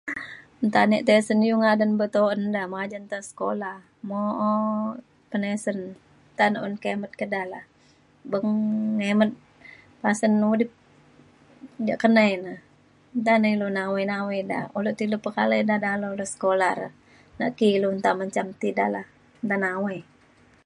Nta e tisen iu ngadan betuen da majan te sekula mo’o penisen nta na un kimet ke ke da la beng ngimet pasen udip ja ke nai na. Nta na ilu nawai nawai da kulo di ti pekalau dalau de sekula re nak ki ilu nta menjam ti da la. Na nawai